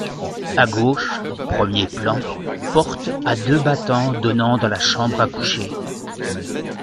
A gauche, premier plan, porte à deux battants donnant dans la chambre à coucher.